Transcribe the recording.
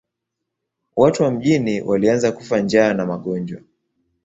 Watu wa mjini walianza kufa njaa na magonjwa.